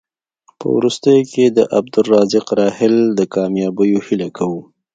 په وروستیو کې د عبدالرزاق راحل د کامیابیو هیله کوو.